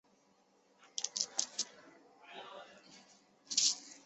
这可能在用户无意间访问到包含此文件的托管驱动器时发生。